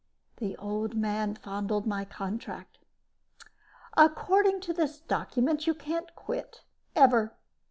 The Old Man fondled my contract. "According to this document, you can't quit. Ever.